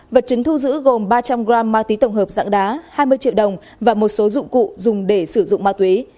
vật chứng thu giữ gồm ba trăm linh g ma túy tổng hợp dạng đá hai mươi triệu đồng và một số dụng cụ dùng để sử dụng ma túy